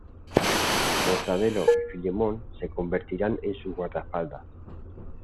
Mortadelo y Filemón se convertirán en sus guardaespaldas.